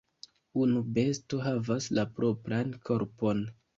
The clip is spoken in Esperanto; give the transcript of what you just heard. Unu besto lavas la propran korpon.